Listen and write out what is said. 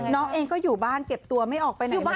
น้องเองก็อยู่บ้านเก็บตัวไม่ออกไปไหนเหมือนกัน